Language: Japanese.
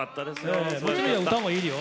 もちろん歌もいいよ。